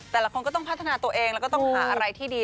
แต่ละคนก็ต้องพัฒนาตัวเองแล้วก็ต้องหาอะไรที่ดี